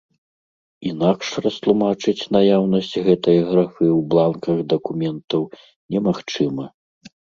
Інакш растлумачыць наяўнасць гэтае графы ў бланках дакументаў немагчыма.